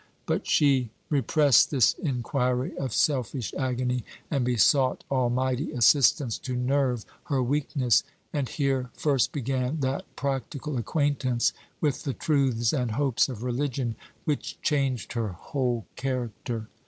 But she repressed this inquiry of selfish agony, and besought almighty assistance to nerve her weakness; and here first began that practical acquaintance with the truths and hopes of religion which changed her whole character.